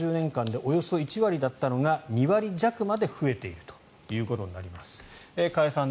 １９８９年から見てみるとこの３０年間でおよそ１割だったのが２割弱まで増えているということになります。